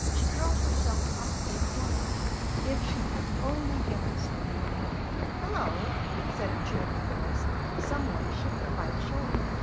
She curled herself up in the corner. If she could only get to sleep. "Hillo!" said a cheerful voice, and some one shook her by the shoulder.